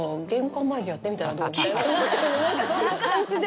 何かそんな感じで。